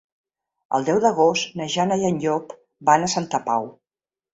El deu d'agost na Jana i en Llop van a Santa Pau.